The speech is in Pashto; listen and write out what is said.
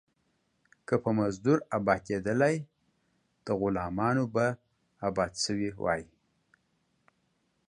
که په مزدور ابآتيدلاى ، ده غلامان به ابات سوي واى.